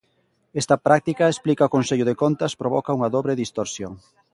Esta práctica, explica o Consello de Contas, provoca unha dobre distorsión: